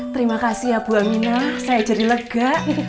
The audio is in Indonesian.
terima kasih ya bu amina saya jadi lega